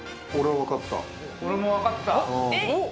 俺分かった。